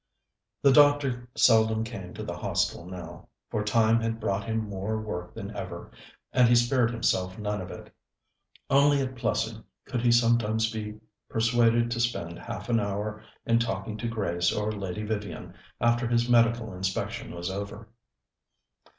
The doctor seldom came to the Hostel now, for time had brought him more work than ever, and he spared himself none of it. Only at Plessing could he sometimes be persuaded to spend half an hour in talking to Grace or Lady Vivian after his medical inspection was over.